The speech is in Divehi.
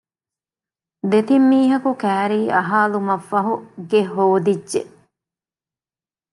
ދެތިން މީހަކު ކައިރީ އަހާލުމަށްފަހު ގެ ހޯދިއްޖެ